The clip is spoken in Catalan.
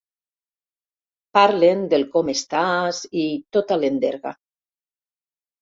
Parlen del com estàs i tota l'enderga.